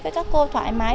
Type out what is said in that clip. với các cô thoải mái